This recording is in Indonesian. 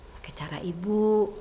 pake cara ibu